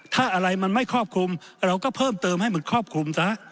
ถ้าอะไรมันไม่ครอบคลุมเราก็เพิ่มเติมให้มันครอบคลุมซะ